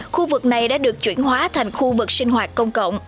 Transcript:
khu vực này đã được chuyển hóa thành khu vực sinh hoạt công cộng